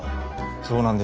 そうなんですよ。